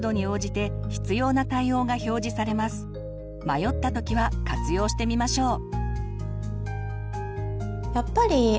迷った時は活用してみましょう。